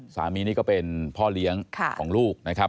สามีนี่ก็เป็นพ่อเลี้ยงของลูกนะครับ